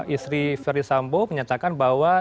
istri verdi sambo menyatakan bahwa